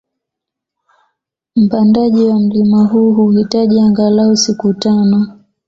Mpandaji wa mlima huu huhitaji angalau siku tano